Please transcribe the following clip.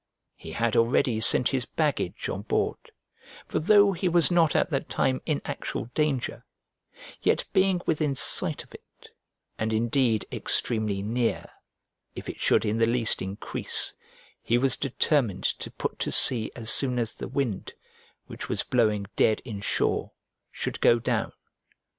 He had already sent his baggage on board; for though he was not at that time in actual danger, yet being within sight of it, and indeed extremely near, if it should in the least increase, he was determined to put to sea as soon as the wind, which was blowing dead in shore, should go down.